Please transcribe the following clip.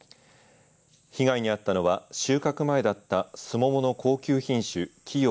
被害に遭ったのは収穫前だったスモモの高級品種貴陽